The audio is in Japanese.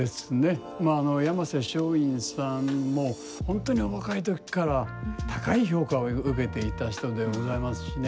山勢松韻さんも本当にお若い時から高い評価を受けていた人でございますしね